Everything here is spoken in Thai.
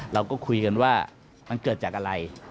เราก็คุยกันว่ามันเกิดจากอะไร